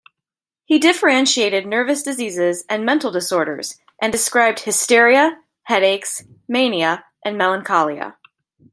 He differentiated nervous diseases and mental disorders and described hysteria, headaches, mania and melancholia.